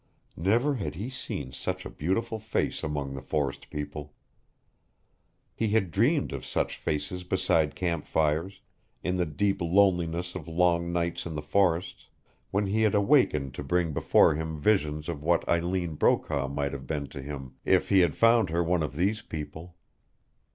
Never had he seen such a beautiful face among the forest people. He had dreamed of such faces beside camp fires, in the deep loneliness of long nights in the forests, when he had awakened to bring before him visions of what Eileen Brokaw might have been to him if he had found her one of these people.